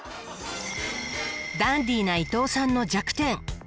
ダンディーな伊藤さんの弱点